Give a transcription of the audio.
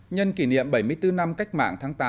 nhân kỷ niệm bảy mươi bốn năm cách mạng tháng tám